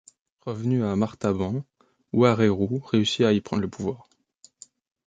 Revenu à Martaban, Wareru réussit à y prendre le pouvoir.